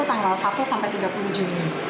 mungkin gak jauh dengan tahun yang lalu